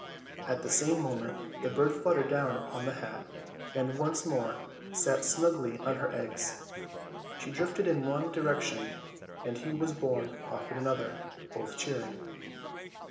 At the same moment the bird fluttered down upon the hat and once more sat snugly on her eggs. She drifted in one direction, and he was borne off in another, both cheering.